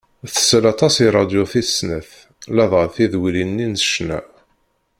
Tsell aṭas i radyu tis snat, ladɣa tidwilin-nni n ccna.